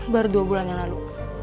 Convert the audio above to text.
baru dua bulan yang lalu